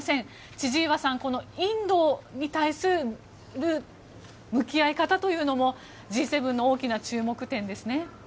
千々岩さん、インドに対する向き合い方というのもＧ７の大きな注目点ですね。